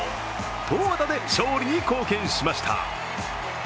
投打で勝利に貢献しました。